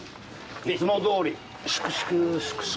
いつもどおり粛々粛々。